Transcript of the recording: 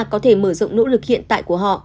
có thể mở rộng nỗ lực hiện tại của họ